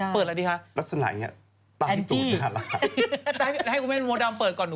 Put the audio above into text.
เปิดแล้วดีคะ